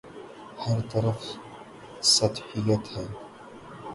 ہر طرف سطحیت ہے۔